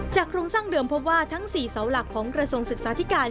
โครงสร้างเดิมพบว่าทั้ง๔เสาหลักของกระทรวงศึกษาธิการ